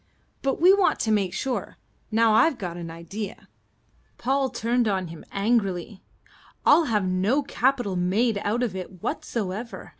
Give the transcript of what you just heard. But we want to make sure. Now I've got an idea." Paul turned on him angrily. "I'll have no capital made out of it whatsoever.